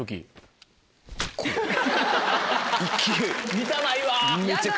見たないわ。